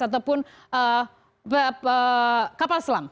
ataupun kapal selam